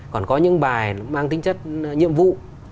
còn có những bài mang tính chất nhiệm vụ